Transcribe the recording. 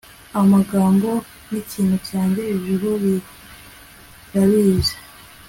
amagambo nikintu cyanjye, ijuru rirabizi